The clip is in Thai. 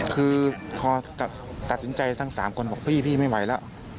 คือพอตัดสินใจทั้ง๓คนบอกพี่ไม่ไหวแล้ว